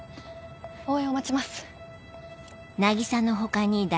応援を待ちます。